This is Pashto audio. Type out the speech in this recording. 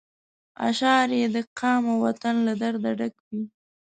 اشعار یې د قام او وطن له درده ډک وي.